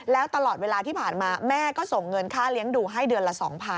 แล้วตลอดเวลาที่ผ่านมาแม่ก็ส่งเงินค่าเลี้ยงดูให้เดือนละ๒๐๐๐